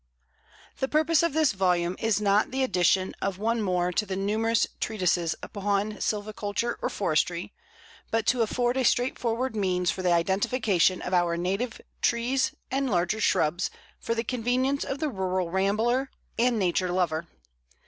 The purpose of this volume is not the addition of one more to the numerous treatises upon sylviculture or forestry, but to afford a straightforward means for the identification of our native trees and larger shrubs for the convenience of the rural rambler and Nature lover.